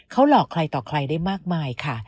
เขาหลอกใครต่อใครได้มากมายค่ะ